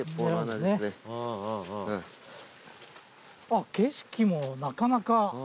あっ景色もなかなか。